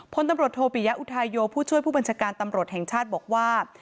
พลตำรวจโทปิยะอุทายโยผู้ช่วยผู้บัญชาการตำรวจแห่งชาติบอกว่า